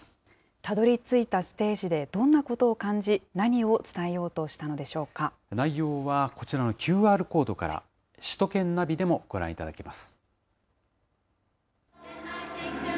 たどりついたステージで、どんなことを感じ、何を伝えようと内容はこちらのＱＲコードから、首都圏ナビでもご覧いただけます。